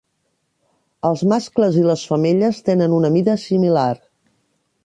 Els mascles i les femelles tenen una mida similar.